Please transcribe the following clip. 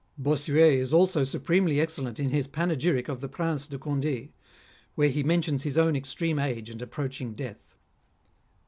Bossuet also is supremely excel lent in his panegyric of the Prince de Cond^, where he mentions his own extreme age and approaching death.